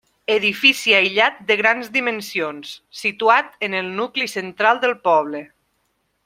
Edifici aïllat de grans dimensions, situat en el nucli central del poble.